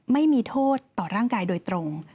ไม่มีโทษต่อร่างกายโดยตรง